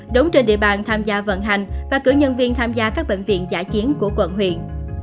đóng trên địa bàn tham gia vận hành và cử nhân viên tham gia các bệnh viện giả chiến của quận huyện